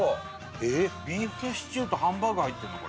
えっビーフシチューとハンバーグ入ってるの？